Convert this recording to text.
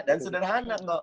dan sederhana kok